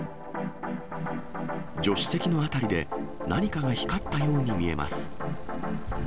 助手席の辺りで何かが光ったように見えます。